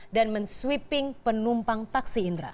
dan menswiping penumpang taksi indra